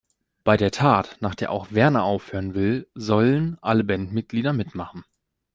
Bei der Tat, nach der auch Werner aufhören will, sollen alle Bandenmitglieder mitmachen.